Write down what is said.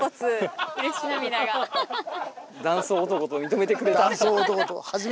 断層男と認めてくれた。